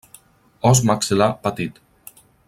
Os maxil·lar petit.